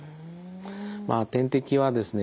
まあ点滴はですね